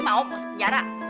mau mau sepenjara